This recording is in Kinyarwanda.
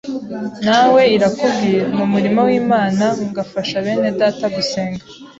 nawe irakubwira. Mu murimo w’Imana ngafasha benedata gusenga,